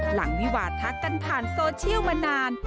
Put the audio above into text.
วิวาดทักกันผ่านโซเชียลมานาน